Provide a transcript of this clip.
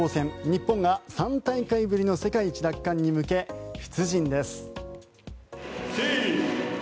日本が３大会ぶりの世界一奪還に向け、出陣です。